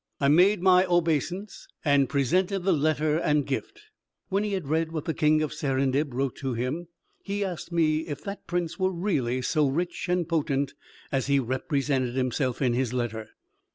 I made my obeisance, and presented the letter and gift. When he had read what the King of Serendib wrote to him, he asked me if that prince were really so rich and potent as he represented himself in his letter.